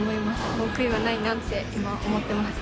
もう悔いはないなって今思ってます。